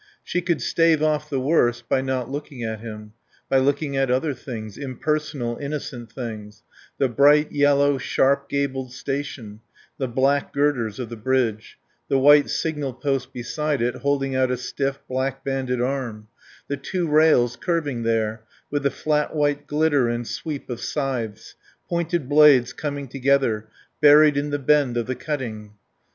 She could stave off the worst by not looking at him, by looking at other things, impersonal, innocent things; the bright, yellow, sharp gabled station; the black girders of the bridge; the white signal post beside it holding out a stiff, black banded arm; the two rails curving there, with the flat white glitter and sweep of scythes; pointed blades coming together, buried in the bend of the cutting.